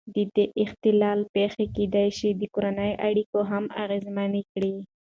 د دې اختلال پېښې کېدای شي د کورنۍ اړیکې هم اغېزمنې کړي.